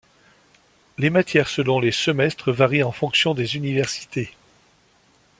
Les matières selon les semestres varient en fonction des universités.